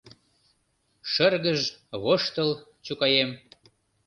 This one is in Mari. Шыргыж, воштыл, чукаем —